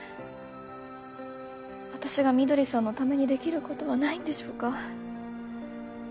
私が翠さんのためにできることはないんでしょうか？